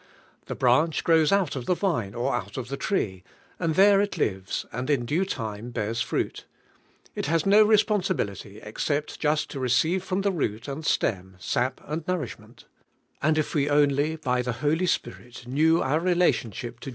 The branch grows out of the vine, or out of the tree, and Biere it Uvea and in clue time bears fruit. It has no ivs]i"Tisilnlity oxeejil jual to receive from the root and stem i,p ninl nourishment. Anil if we only in the Holy Spirit knew our relationship to